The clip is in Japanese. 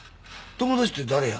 友達って誰や？